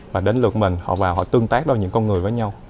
và đến lượt mình họ vào họ tương tác đâu những con người với nhau